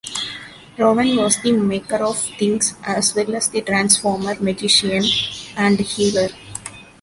Raven was the Maker of Things, as well as the Transformer, Magician and Healer.